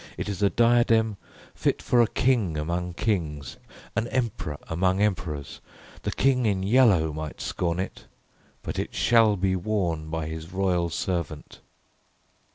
It is a diadem fit for a King among kings, an Emperor among emperors. The King in Yellow might scorn it, but it shall be worn by his royal servant.